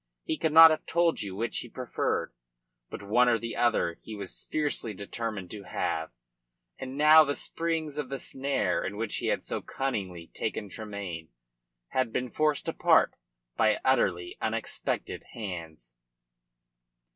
He could not have told you which he preferred. But one or the other he was fiercely determined to have, and now the springs of the snare in which he had so cunningly taken Tremayne had been forced apart by utterly unexpected hands.